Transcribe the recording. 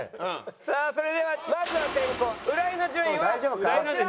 さあそれではまずは先攻浦井の順位はこちら。